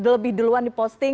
lebih duluan di posting